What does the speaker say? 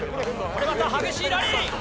これまた激しいラリー。